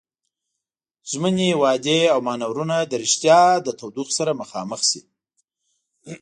ژمنې، وعدې او مانورونه د ريښتيا له تودوخې سره مخامخ شي.